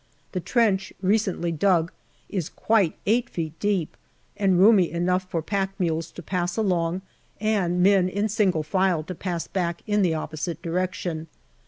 The trench, recently dug, is quite 8 feet deep, and roomy enough for pack mules to pass along and men in single file to pass back in the opposite direction.